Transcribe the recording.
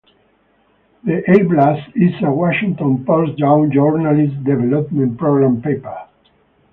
The A-Blast is a Washington Post Young Journalists Development Program Paper.